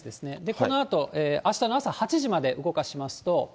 このあと、あしたの朝８時まで動かしますと。